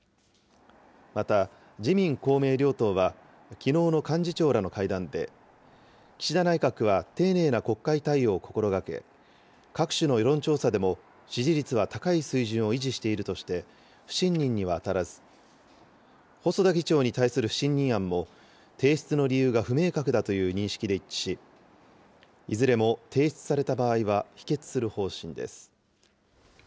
また、自民、公明両党は、きのうの幹事長らの会談で、岸田内閣は丁寧な国会対応を心がけ、各種の世論調査でも支持率は高い水準を維持しているとして不信任には当たらず、細田議長に対する不信任案も提出の理由が不明確だという認識で一致し、いずれも提出された場合は否決する方針です。